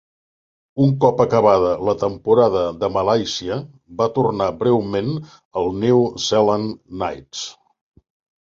Un cop acabada la temporada de Malàisia, va tornar breument al New Zealand Knights.